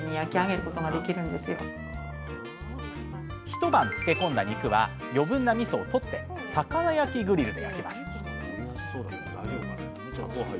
一晩漬け込んだ肉は余分なみそを取って魚焼きグリルで焼きます